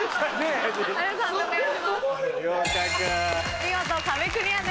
見事壁クリアです。